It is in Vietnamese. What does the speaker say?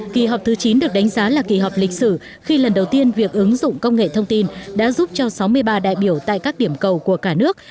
kỳ họp thứ chín được đánh giá là kỳ họp lịch sử khi lần đầu tiên việc ứng dụng công nghệ thông tin đã giúp cho sáu mươi ba đại biểu tại các điểm cầu của cả nước